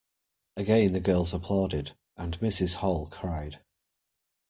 Again the girls applauded, and Mrs Hall cried.